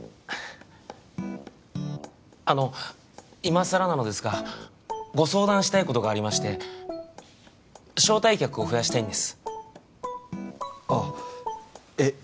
あのいまさらなのですがご相談したいことがありまして招待客を増やしたいんですあっえっ